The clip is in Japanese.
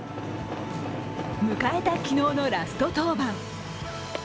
迎えた昨日のラスト登板。